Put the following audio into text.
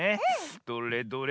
どれどれ。